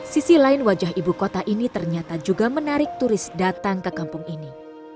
sisi lain wajah ibu kota ini ternyata juga menarik turis datang ke kampung ini